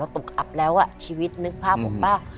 ตุ๊กอับแล้วอ่ะชีวิตนึกภาพบอกว่า